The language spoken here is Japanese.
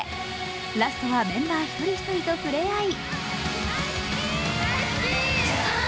ラストは、メンバー一人一人と触れ合い。